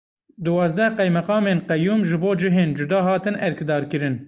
Duwazdeh qeymeqamên qeyûm ji bo cihên cuda hatin erkdarkirin.